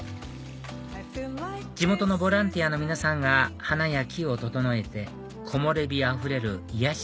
地元のボランティアの皆さんが花や木を整えて木漏れ日あふれる癒やし